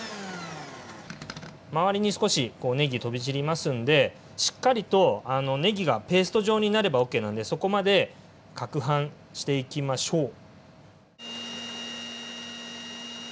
周りに少しねぎ飛び散りますんでしっかりとねぎがペースト状になればＯＫなんでそこまでかくはんしていきましょう。